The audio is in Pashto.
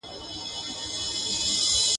شور ماشور وي د بلبلو بوی را خپور وي د سنځلو ..